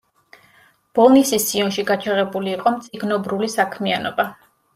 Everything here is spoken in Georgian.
ბოლნისის სიონში გაჩაღებული იყო მწიგნობრული საქმიანობა.